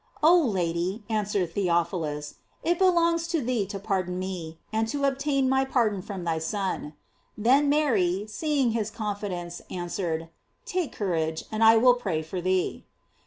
" Oh Lady," answered Theophilus, "it belongs to thee to pardon me, and to obtain my pardon from thy Son." Then Mary, seeing his confidence, answered, <; Take courage, and I will pray for thee."